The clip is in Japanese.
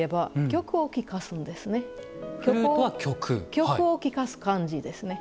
曲を聴かす感じですね。